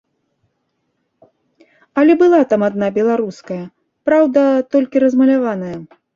Але была там адна беларуская, праўда, толькі размаляваная.